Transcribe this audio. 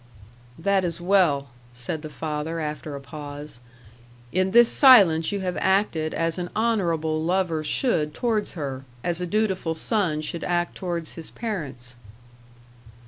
"That is well," said the father, after a pause. "In this silence you have acted as an honourable lover should towards her; as a dutiful son should act towards his parents."